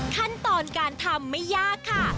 ขั้นตอนการทำไม่ยากค่ะ